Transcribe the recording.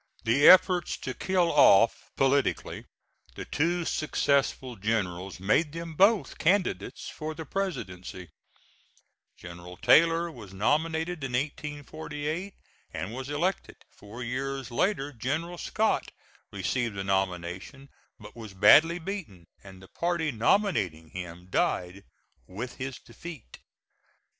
The efforts to kill off politically the two successful generals, made them both candidates for the Presidency. General Taylor was nominated in 1848, and was elected. Four years later General Scott received the nomination but was badly beaten, and the party nominating him died with his defeat.